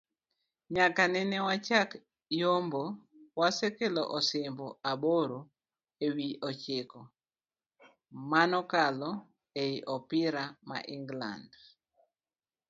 nyaka nene wachak yombo, wasekelo osimbo aboro ewi ochiko manokalo ei opira ma England